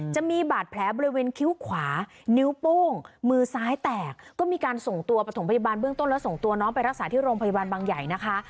จะมีบาดแผลบริเวณคิ้วขวานิ้วโป้งมือซ้ายแตกก็มีการส่งตัวประถมพยาบาลเบื้องต้นแล้วส่งตัวน้องไปรักษาที่โรงพยาบาลบางใหญ่นะคะ